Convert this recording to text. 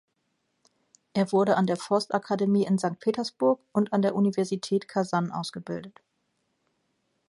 Er wurde an der Forstakademie in Sankt Petersburg und an der Universität Kasan ausgebildet.